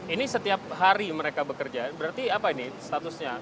ini setiap hari mereka bekerja berarti apa ini statusnya